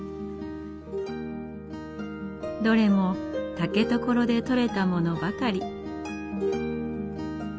どれも竹所で取れたものばかり。